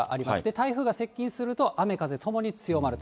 台風が接近すると、雨風ともに強まると。